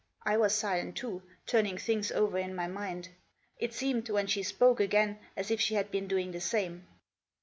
I was silent, too, turning things over in my mind. It seemed, when she spoke again, as if she had been doing the same.